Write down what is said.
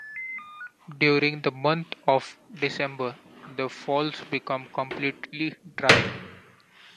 During the month of December the falls become completely dry.